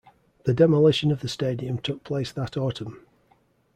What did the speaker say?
The demolition of the stadium took place that autumn.